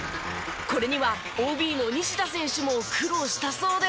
これにはＯＢの西田選手も苦労したそうで。